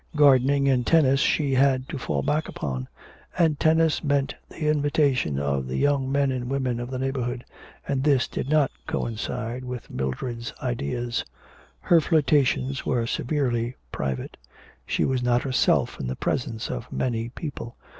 Gardening and tennis she had to fall back upon, and tennis meant the invitation of the young men and women of the neighbourhood, and this did not coincide with Mildred's ideas; her flirtations were severely private, she was not herself in the presence of many people.